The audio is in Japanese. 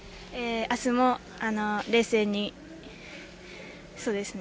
明日も冷静にそうですね